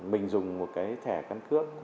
mình dùng một cái thẻ căn cước